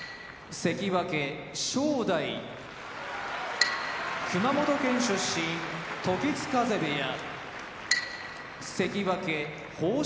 関脇・正代熊本県出身時津風部屋関脇豊昇